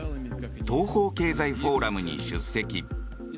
東方経済フォーラムに出席。